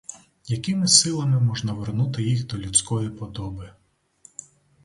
Якими силами можна вернути їх до людської подоби!